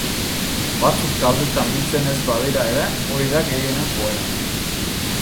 Batzuk taldetan biltzen ez badira ere, hori da gehienen joera.